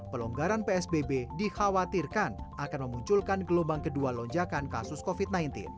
pelonggaran psbb dikhawatirkan akan memunculkan gelombang kedua lonjakan kasus covid sembilan belas